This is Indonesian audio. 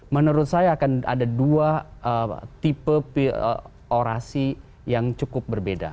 menurut saya akan ada dua tipe orasi yang cukup berbeda